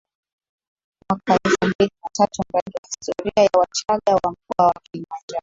mwaka elfu mbili na tatu Mradi wa Historia ya Wachaga wa Mkoa wa Kilimanjaro